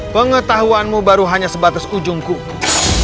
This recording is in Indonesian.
pengetahuanmu baru hanya sebatas ujung kuku